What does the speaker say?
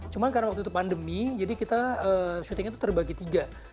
cuma karena waktu itu pandemi jadi kita syutingnya itu terbagi tiga